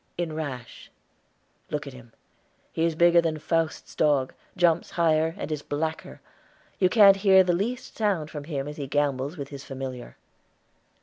"In Rash. Look at him; he is bigger than Faust's dog, jumps higher, and is blacker. You can't hear the least sound from him as he gambols with his familiar."